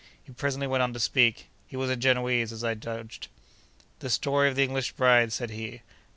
He presently went on to speak. He was a Genoese, as I judged. 'The story of the English bride?' said he.